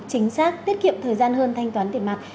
chính xác tiết kiệm thời gian hơn thanh toán tiền mặt